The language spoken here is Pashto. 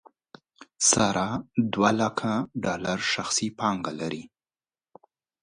ساره دولکه ډالر شخصي پانګه لري.